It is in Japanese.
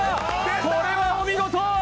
これはお見事！